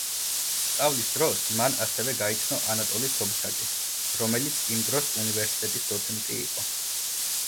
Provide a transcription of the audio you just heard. სწავლის დროს მან ასევე გაიცნო ანატოლი სობჩაკი, რომელიც იმ დროს უნივერსიტეტის დოცენტი იყო.